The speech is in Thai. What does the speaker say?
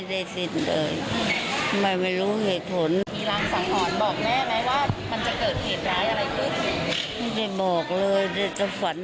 ฝันด้วยฝันมะยังไงค่ะแม่